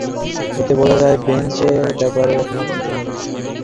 এতে বোঝা যায়, বেঞ্চ এ ব্যাপারে একমত হতে পারেননি।